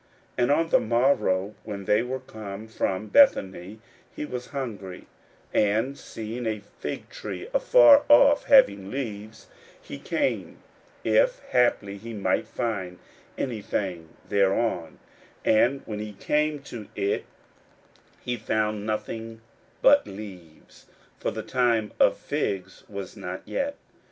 41:011:012 And on the morrow, when they were come from Bethany, he was hungry: 41:011:013 And seeing a fig tree afar off having leaves, he came, if haply he might find any thing thereon: and when he came to it, he found nothing but leaves; for the time of figs was not yet.